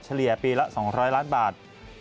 เลี่ยปีละ๒๐๐ล้านบาท